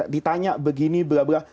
ditanya begini belah belah